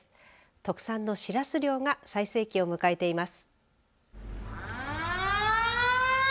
特産のしらす漁が最盛期を迎えています。